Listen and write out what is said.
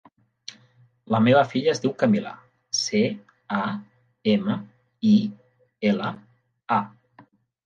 La meva filla es diu Camila: ce, a, ema, i, ela, a.